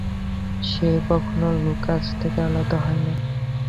সে কখনো লুকাস থেকে আলাদা হয় না।